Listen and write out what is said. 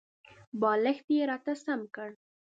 بالښت یې راته سم کړ .